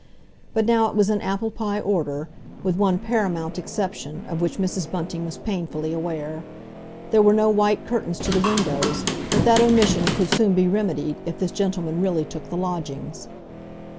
But now it was in apple pie order, with one paramount exception, of which Mrs. Bunting was painfully aware. There were no white curtains to the windows, but that omission could soon be remedied if this gentleman really took the lodgings.